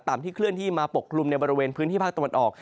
ที่เคลื่อนที่มาปกคลุมในบริเวณพื้นที่ภาคตะวันออก